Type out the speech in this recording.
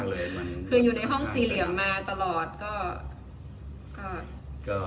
คืออยู่ในห้องสี่เหลี่ยมมาตลอดก็ก็